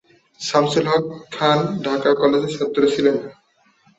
শামসুল হক খান ঢাকা কলেজের ছাত্র ছিলেন।